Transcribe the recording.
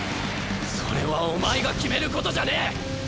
それはお前が決めることじゃねぇ！